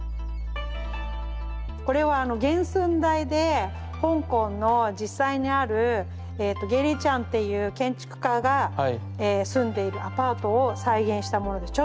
これは原寸大で香港の実際にあるゲイリー・チャンっていう建築家が住んでいるアパートを再現したものです。